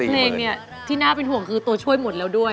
เพลงเนี่ยที่น่าเป็นห่วงคือตัวช่วยหมดแล้วด้วย